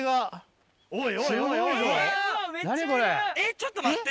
ちょっと待って！